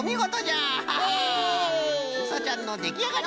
うさちゃんのできあがり！